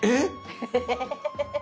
エヘヘヘヘ。